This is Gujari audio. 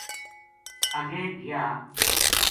اَگے گیا